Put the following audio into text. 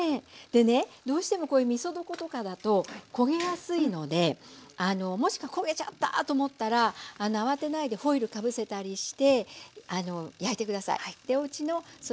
でねどうしてもこういうみそ床とかだと焦げやすいのでもし焦げちゃったと思ったら慌てないでホイルかぶせたりして焼いて下さい。